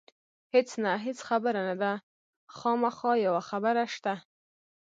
هېڅ نه، هېڅ خبره نه ده، نه، خامخا یوه خبره شته.